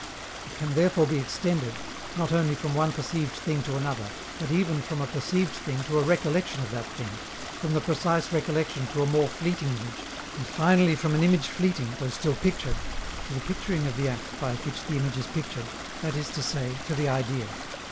It can therefore be extended, not only from one perceived thing to another, but even from a perceived thing to a recollection of that thing, from the precise recollection to a more fleeting image, and finally from an image fleeting, though still pictured, to the picturing of the act by which the image is pictured, that is to say, to the idea.